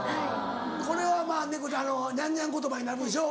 これはニャンニャン言葉になるんでしょ。